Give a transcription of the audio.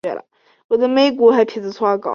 有人怀疑草庵居士的真实身份。